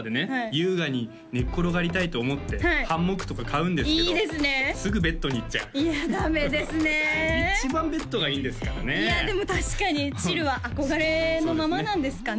優雅に寝っ転がりたいと思ってハンモックとか買うんですけどいいですねすぐベッドに行っちゃういやダメですね一番ベッドがいいですからねいやでも確かにチルは憧れのままなんですかね